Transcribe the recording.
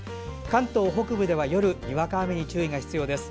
関東北部では夜はにわか雨に注意が必要です。